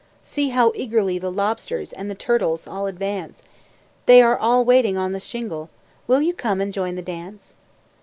See how eagerly the lobsters And the turtles all advance! They are waiting on the shingle Will you come and join the dance?